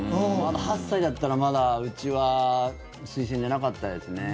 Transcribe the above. ８歳だったら、まだうちは水洗じゃなかったですね。